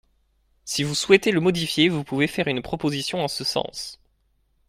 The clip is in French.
Si vous souhaitez le modifier, vous pouvez faire une proposition en ce sens.